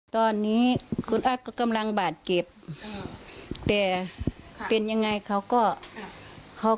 ตอนนี้คุณอาทรก็กำลังบาดเก็บ